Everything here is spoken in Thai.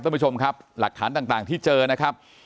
ท่านผู้ชมครับหลักฐานต่างที่เจอนะครับ